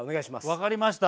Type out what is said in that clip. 分かりました。